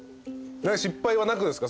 失敗はなくですか？